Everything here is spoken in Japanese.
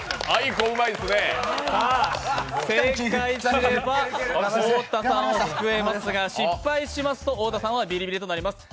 正解が出れば、太田さんを救えますが、失敗しますと太田さんはビリビリとなります。